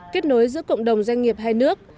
kết nối giữa cộng đồng doanh nghiệp hai nước